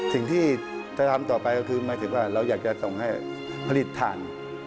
สิ่งที่จะทำต่อไปก็คือหมายถึงว่าเราอยากจะส่งให้ผลิตฐาน